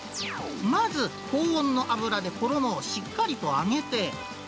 まず高温の油で衣をしっかりと揚げて。